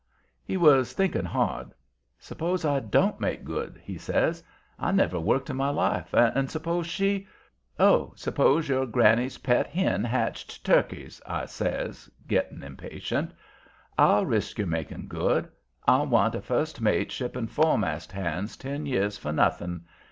He was thinking hard. "Suppose I don't make good?" he says. "I never worked in my life. And suppose she " "Oh, suppose your granny's pet hen hatched turkeys," I says, getting impatient, "I'll risk your making good. I wa'n't a first mate, shipping fo'mast hands ten years, for nothing.